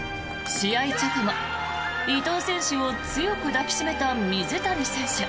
試合直後、伊藤選手を強く抱きしめた水谷選手。